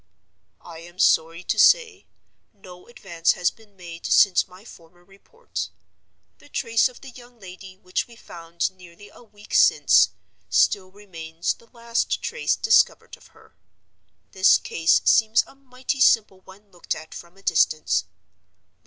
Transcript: "I am sorry to say, no advance has been made since my former report. The trace of the young lady which we found nearly a week since, still remains the last trace discovered of her. This case seems a mighty simple one looked at from a distance.